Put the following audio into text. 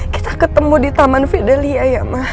kita ketemu di taman fidelia ya ma